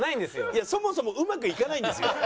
いやそもそもうまくいかないんですよ。